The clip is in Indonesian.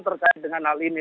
terkait dengan hal ini